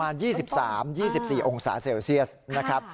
๒๓๒๔องศาเซลเซียสนะครับ